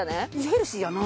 ヘルシーやな。